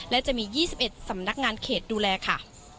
และจะมี๒๑สำนักงานเขตดูแลค่ะ